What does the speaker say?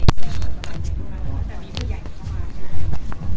แต่มีผู้ใหญ่เข้ามา